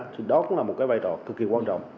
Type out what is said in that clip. thì đó cũng là một cái vai trò cực kỳ quan trọng